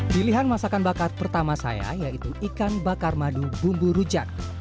pilihan masakan bakar pertama saya yaitu ikan bakar madu bumbu rujak